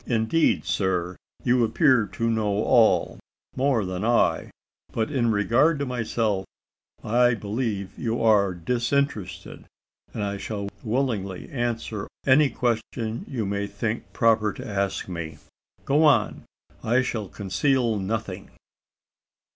"Indeed, sir, you appear to know all more than I but in regard to myself, I believe you are disinterested, and I shall willingly answer any question you may think proper to ask me. Go on! I shall conceal nothing."